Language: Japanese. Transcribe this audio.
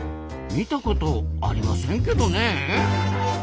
見たことありませんけどねえ。